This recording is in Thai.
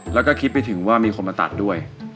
แล้วก็คิดไปถึงว่ามีคนมาตัดด้วย